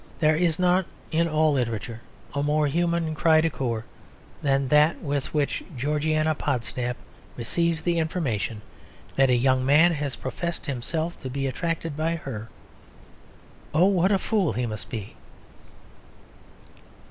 There is not in all literature a more human cri de coeur than that with which Georgiana Podsnap receives the information that a young man has professed himself to be attracted by her "Oh what a Fool he must be!"